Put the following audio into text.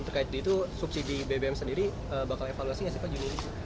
terkait itu subsidi bbm sendiri bakal evaluasinya pak juni ini